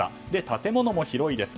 建物も広いです。